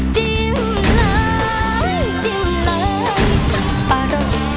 จิ้มเลยจิ้มเลยสับปะรอ